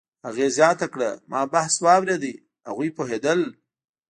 هغې زیاته کړه: "ما بحث واورېد، هغوی پوهېدل